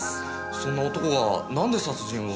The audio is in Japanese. そんな男がなんで殺人を？